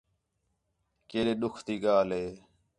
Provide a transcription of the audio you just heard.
کیݙے ݙُکھ تی ڳالھ ہے